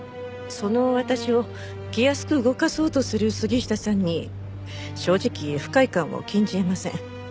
その私を気安く動かそうとする杉下さんに正直不快感を禁じ得ません。